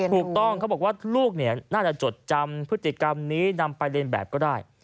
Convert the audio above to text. ถูกต้องเขาบอกว่าลูกน่าจะจดจำพฤติกรรมนี้นำไปเรียนแบบก็ได้